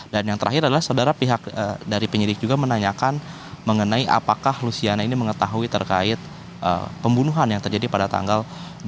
dan yang terakhir adalah saudara pihak dari penyidik juga menanyakan mengenai apakah lusiana ini mengetahui terkait pembunuhan yang terjadi pada tanggal dua puluh tujuh